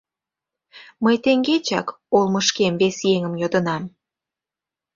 — Мый теҥгечак олмышкем вес еҥым йодынам.